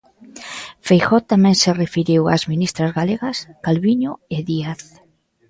Feijóo tamén se referiu ás ministras galegas, Calviño e Díaz.